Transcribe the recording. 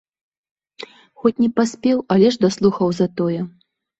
Хоць не паспеў, але ж даслухаў затое.